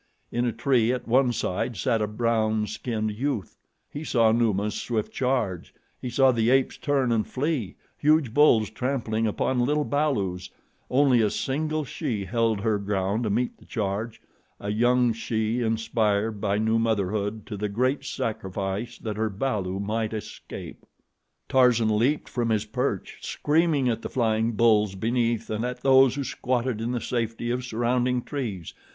In a tree at one side sat a brown skinned youth. He saw Numa's swift charge; he saw the apes turn and flee, huge bulls trampling upon little balus; only a single she held her ground to meet the charge, a young she inspired by new motherhood to the great sacrifice that her balu might escape. Tarzan leaped from his perch, screaming at the flying bulls beneath and at those who squatted in the safety of surrounding trees.